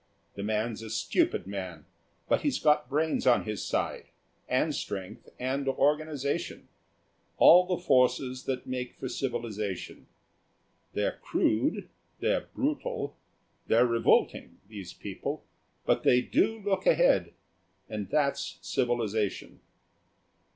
The man's a stupid man, but he's got brains on his side, and strength, and organisation; all the forces that make for civilisation. They're crude, they're brutal, they're revolting, these people, but they do look ahead, and that's civilisation."